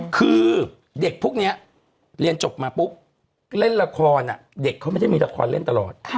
คือเด็กพวกนี้เรียนจบมาปุ๊บเล่นละครเด็กเขาไม่ได้มีละครเล่นตลอด